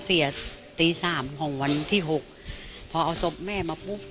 เสียตีสามของวันที่หกพอเอาศพแม่มาปุ๊บ